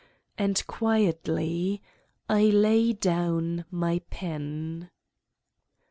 And quietly I lay down my pen.